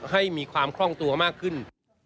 ให้มีความคล่องตัวมากขึ้น